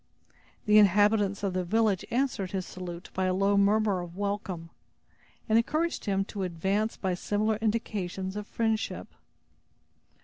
The inhabitants of the village answered his salute by a low murmur of welcome, and encouraged him to advance by similar indications of friendship.